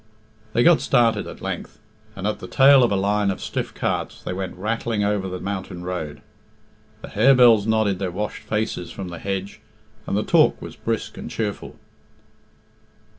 They got started at length, and, at the tail of a line of stiff carts, they went rattling over the mountain road. The harebells nodded their washed faces from the hedge, and the talk was brisk and cheerful.